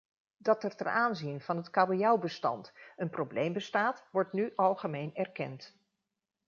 Dat er ten aanzien van het kabeljauwbestand een probleem bestaat, wordt nu algemeen erkend.